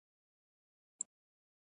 یاقوت د افغانستان د کلتوري میراث برخه ده.